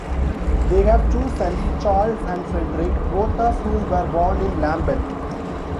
They have two sons, Charles and Frederick, both of whom were born in Lambeth.